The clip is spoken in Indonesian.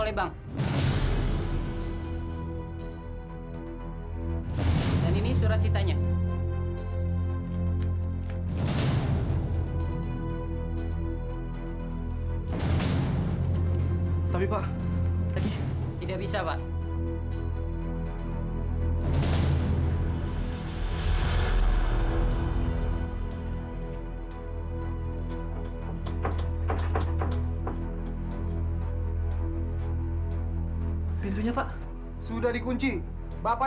harganya miten seharusnya